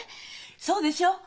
そうでしょう？